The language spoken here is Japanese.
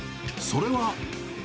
それは。